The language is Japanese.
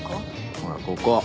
ほらここ。